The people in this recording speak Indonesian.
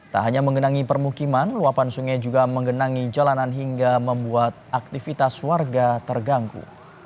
tak hanya mengenangi permukiman luapan sungai juga menggenangi jalanan hingga membuat aktivitas warga terganggu